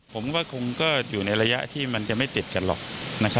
ผมก็คงก็อยู่ในระยะที่มันจะไม่ติดกันหรอก